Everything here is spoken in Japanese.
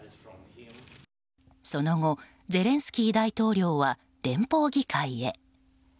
その後、ゼレンスキー大統領は連邦議会へ。